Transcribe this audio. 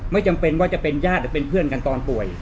ไม่จำเป็นว่าจะเป็นญาติหรือเป็นเพื่อนกันตอนป่วย